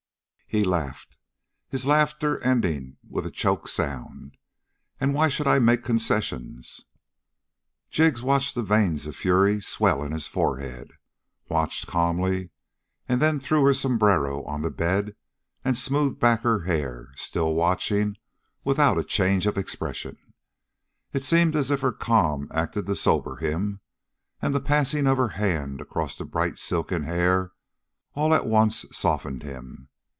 He laughed, his laughter ending with a choked sound. "And why should I make concessions?" Jig watched the veins of fury swell in his forehead, watched calmly, and then threw her sombrero on the bed and smoothed back her hair, still watching without a change of expression. It seemed as if her calm acted to sober him, and the passing of her hand across the bright, silken hair all at once softened him.